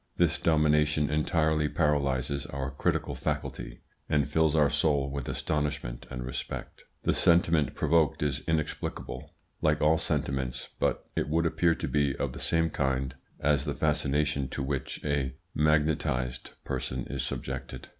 This domination entirely paralyses our critical faculty, and fills our soul with astonishment and respect. The sentiment provoked is inexplicable, like all sentiments, but it would appear to be of the same kind as the fascination to which a magnetised person is subjected.